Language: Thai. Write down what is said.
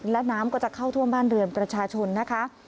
และน้ำก็จะเข้าท่วมบ้านเรือนประชาชนนะคะ